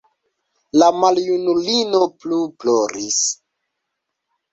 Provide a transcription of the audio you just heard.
La maljunulino plu ploris.